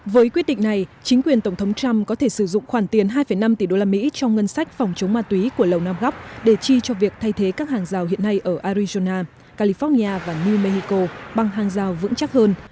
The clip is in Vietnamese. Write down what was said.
với quyết định này chính quyền tổng thống trump có thể sử dụng khoản tiền hai năm tỷ đô la mỹ trong ngân sách phòng chống ma túy của lầu nam góc để chi cho việc thay thế các hàng rào hiện nay ở arizona california và new mexico bằng hàng rào vững chắc hơn